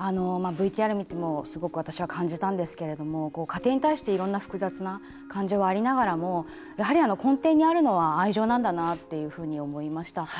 ＶＴＲ見てもすごく私は感じたんですけど家庭に対していろんな複雑な感情はありながらも根底にあるのは愛情なんだと思いました。